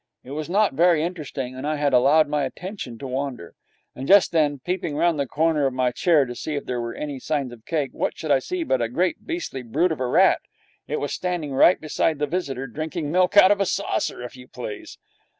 It was not very interesting, and I had allowed my attention to wander. And just then, peeping round the corner of my chair to see if there were any signs of cake, what should I see but a great beastly brute of a rat. It was standing right beside the visitor, drinking milk out of a saucer, if you please!